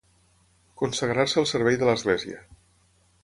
Consagrar-se al servei de l'Església.